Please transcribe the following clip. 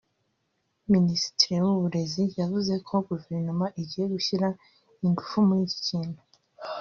Minisitiri Murekezi yavuze ko Guverinoma igiye gushyira ingufu muri iki kintu